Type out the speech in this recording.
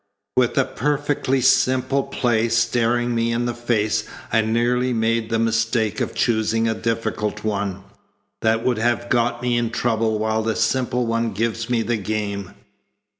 With a perfectly simple play staring me in the face I nearly made the mistake of choosing a difficult one. That would have got me in trouble while the simple one gives me the game.